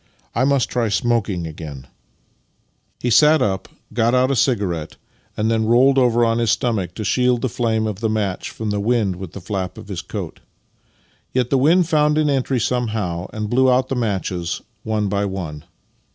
I must try smoking again." 44 Master and Man He sat up, got out a cigarette, and then rolled over on his stomach to shield the flame of the match from the wind with the flap of his coat. Yet the wind found an entry somehow, and blew out the matches, one by one.